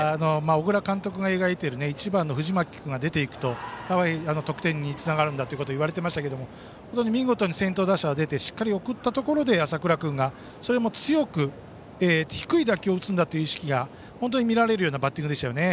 小倉監督が描いている１番の藤巻君が出て行くと得点につながるんだということが言われていましたけど見事に先頭打者が出てしっかり送ったところで浅倉君が強く低い打球を打つんだという意識が本当に見られるようなバッティングでしたよね。